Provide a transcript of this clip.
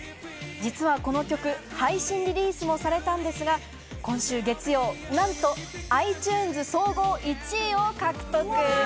実はこの曲、配信リリースもされたんですが、今週月曜、なんとｉＴｕｎｅｓ総合１位を獲得。